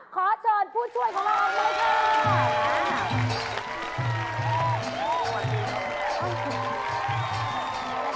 ขอเชิญผู้ช่วยของเราไว้ค่ะ